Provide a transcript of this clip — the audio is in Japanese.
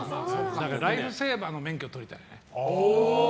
ライフセーバーの免許を取りたいね。